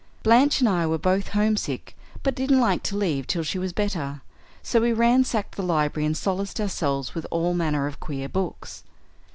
Blanche and I were both homesick, but didn't like to leave till she was better, so we ransacked the library and solaced ourselves with all manner of queer books.